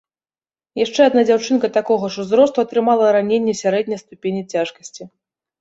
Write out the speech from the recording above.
Яшчэ адна дзяўчынка такога ж узросту атрымала раненне сярэдняй ступені цяжкасці.